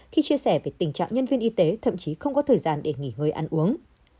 khi chia sẻ về tình trạng nhân viên y tế thậm chí không có thời gian để nghỉ ngơi ăn uống